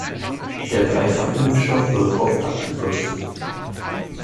Der Dreifach-Impfstoff wird oft abgekürzt.